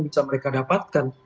bisa mereka dapatkan